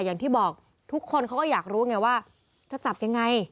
อย่างที่บอกทุกคนเขาก็อยากรู้ไงว่าจะจับยังไง